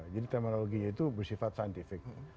jadi terminologinya itu bersifat scientific